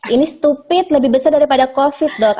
ini stupit lebih besar daripada covid dok